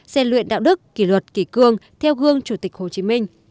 xe luyện đạo đức kỷ luật kỷ cương theo gương chủ tịch hồ chí minh